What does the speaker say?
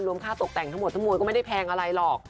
ค่าตกแต่งทั้งหมดทั้งมวลก็ไม่ได้แพงอะไรหรอก